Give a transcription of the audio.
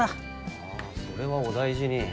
ああそれはお大事に。